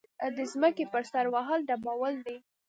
د ځمکې پر سر وهل ډبول دي.